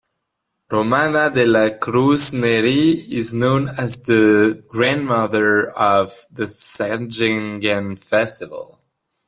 Romana dela Cruz-Neri is known as the Grandmother of the Sagingan Festival.